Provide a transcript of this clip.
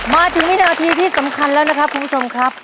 มาถึงวินาทีที่สำคัญแล้วนะครับคุณผู้ชมครับ